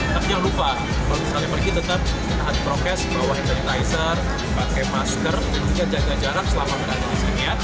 tapi jangan lupa kalau misalnya pergi tetap tahan brokes bawa sanitizer pakai masker dan juga jaga jarak selama berada di sana ya